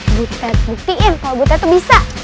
biar buta buktiin kalau buta tuh bisa